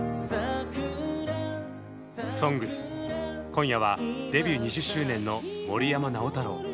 「ＳＯＮＧＳ」今夜はデビュー２０周年の森山直太朗。